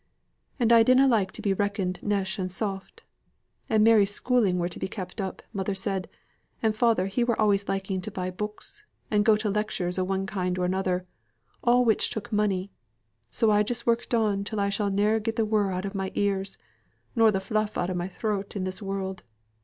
And I did na like to be reckoned nesh and soft, and Mary's schooling were to be kept up, mother said, and father he were always liking to buy books, and go to lectures o' one kind and another all which took money so I just worked on till I shall ne'er get the whirr out o' my ears, or the fluff out o' my throat i' this world.